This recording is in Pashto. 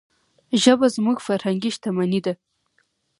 ژبه زموږ فرهنګي شتمني ده.